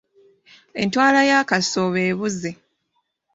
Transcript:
Entwala ya Kasooba ebuze.